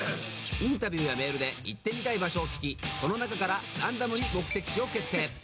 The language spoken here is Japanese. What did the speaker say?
インタビューやメールで行ってみたい場所を聞きその中からランダムに目的地を決定します。